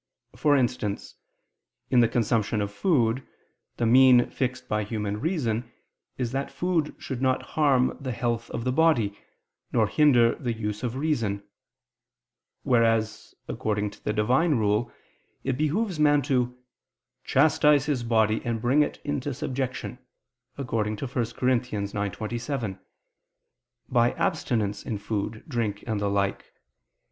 For instance, in the consumption of food, the mean fixed by human reason, is that food should not harm the health of the body, nor hinder the use of reason: whereas, according to the Divine rule, it behooves man to "chastise his body, and bring it into subjection" (1 Cor. 9:27), by abstinence in food, drink and the like.